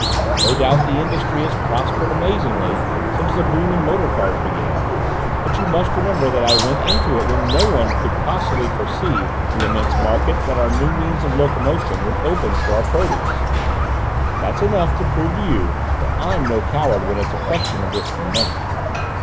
No doubt the industry has prospered amazingly since the boom in motor cars began, but you must remember that I went into it when no one could possibly foresee the immense market that the new means of locomotion would open for our produce. That's enough to prove to you that I'm no coward when it's a question of risking money."